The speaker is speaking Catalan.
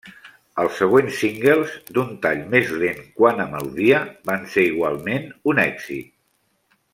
Els següents singles, d'un tall més lent quant a melodia, van ser igualment un èxit.